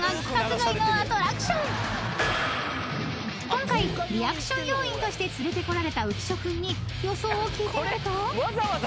［今回リアクション要員として連れてこられた浮所君に予想を聞いてみると］